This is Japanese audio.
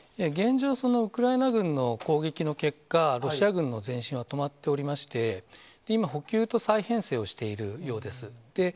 現状、そのウクライナ軍の攻撃の結果、ロシア軍の前進は止まっておりまして、今、補給と再編制をしているようです。